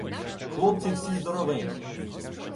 Хлопці всі здоровенні.